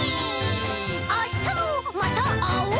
あしたもまたあおう！